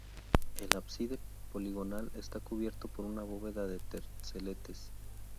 El ábside poligonal está cubierto por una bóveda de terceletes.